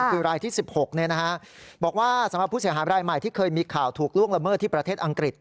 คือรายที่๑๖บอกว่าสำหรับผู้เสียหายบรายใหม่ที่เคยมีข่าวถูกล่วงละเมิดที่ประเทศอังกฤษ